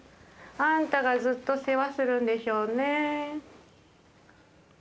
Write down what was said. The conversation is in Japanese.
あんたがずっと世話するんでしょうね。